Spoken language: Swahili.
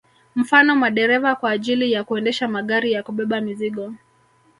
Mfano madereva kwa ajili ya kuendesha magari ya kubeba mizigo